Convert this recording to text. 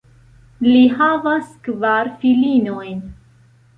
Li havas kvar filinojn.